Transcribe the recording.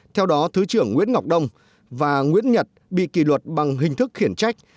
theo đó thứ trưởng nguyễn ngọc đông và nguyễn nhật bị kỷ luật bằng hình thức khiển trách